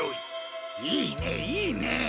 いいねいいね！